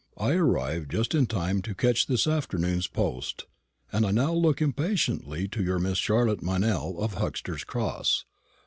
I arrived just in time to catch this afternoon's post; and now I look impatiently to your Miss Charlotte Meynell, of Huxter's Cross.